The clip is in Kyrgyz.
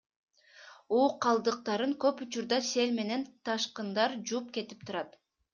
Уу калдыктарын көп учурда сел менен ташкындар жууп кетип турат.